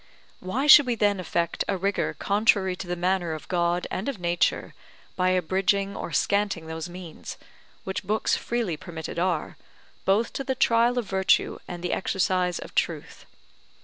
Why should we then affect a rigour contrary to the manner of God and of nature, by abridging or scanting those means, which books freely permitted are, both to the trial of virtue and the exercise of truth?